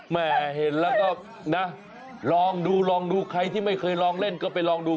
แม่เห็นแล้วก็นะลองดูลองดูใครที่ไม่เคยลองเล่นก็ไปลองดู